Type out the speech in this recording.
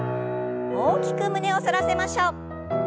大きく胸を反らせましょう。